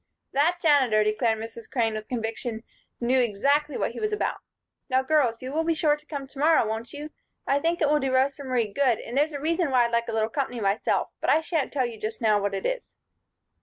"That Janitor," declared Mrs. Crane, with conviction, "knew exactly what he was about. Now, girls, you'll be sure to come to morrow, won't you? I think it will do Rosa Marie good and there's a reason why I'd like a little company myself, but I shan't tell you just now what it is."